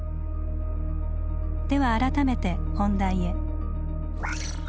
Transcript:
では改めて本題へ。